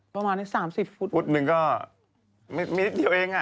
ประมาณนี้แหละฟุตหนึ่งก็มินิตเดียวเองอะ